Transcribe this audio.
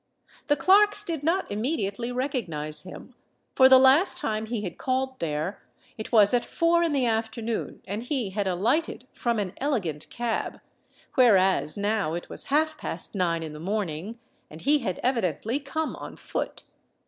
The clerks did not immediately recognise him; for the last time he had called there, it was at four in the afternoon and he had alighted from an elegant cab: whereas now it was half past nine in the morning, and he had evidently come on foot.